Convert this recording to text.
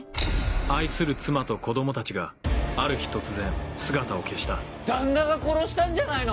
愛する妻と子供たちがある日突然姿を消した旦那が殺したんじゃないの？